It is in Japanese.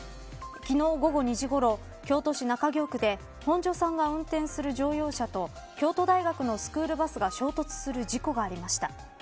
昨日午後２時ごろ京都市中京区で本庶さんが運転する乗用車と京都大学のスクールバスが衝突する事故がありました。